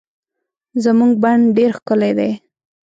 زمونږ بڼ ډير ښکلي دي